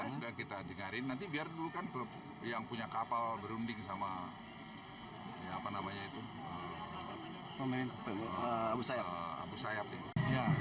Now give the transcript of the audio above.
sedang kita dengarin nanti biar dulu kan yang punya kapal berunding sama abu sayyaf